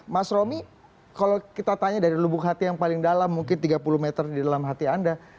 mas romi kalau kita tanya dari lubuk hati yang paling dalam mungkin tiga puluh meter di dalam hati anda